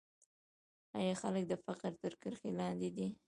آیا خلک د فقر تر کرښې لاندې دي؟